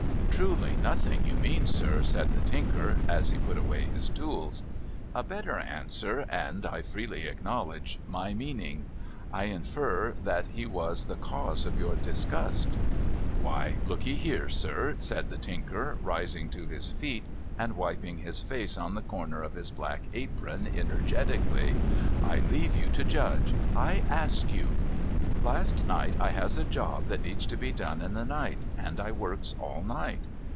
' Truly nothing you mean, sir,' said the Tinker, as he put away his tools. ' A better answer, and (I freely acknowledge) my meaning. I infer that he was the cause of your disgust ?'' Why, look'ee here, sir^' said the Tinker, rising to his feet, and THE TINKER DISGUSTED 275 wiping his face on the corner of his black apron energetically ;' I leave you to judge !— I ask you !— Last night I has a job that needs to be done in the night, and I works all night.